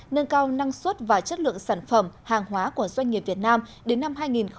nâng cao năng suất và chất lượng sản phẩm hàng hóa của doanh nghiệp việt nam đến năm hai nghìn hai mươi